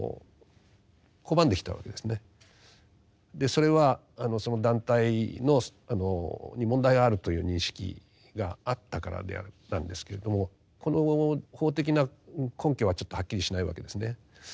それはその団体に問題があるという認識があったからなんですけれどもこの法的な根拠はちょっとはっきりしないわけですね。